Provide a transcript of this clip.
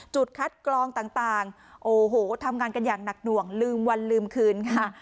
จุดคัดกรองต่างโอ้โหทำงานกันอย่างหนักหน่วงลืมวันลืมคืนค่ะ